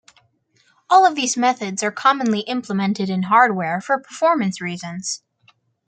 All of these methods are commonly implemented in hardware for performance reasons.